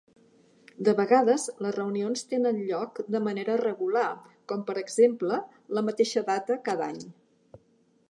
De vegades les reunions tenen lloc de manera regular com, per exemple, la mateixa data cada any.